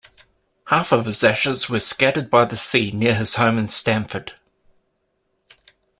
Half of his ashes were scattered by the sea near his home in Stamford.